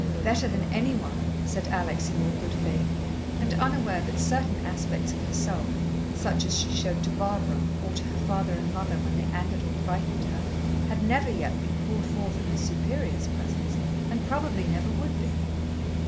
"Better than any one," said Alex, in all good faith, and unaware that certain aspects of herself, such as she showed to Barbara, or to her father and mother when they angered or frightened her, had never yet been called forth in the Superior's presence, and probably never would be.